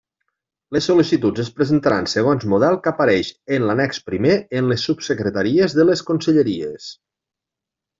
Les sol·licituds es presentaran segons model que apareix en l'annex primer en les subsecretaries de les conselleries.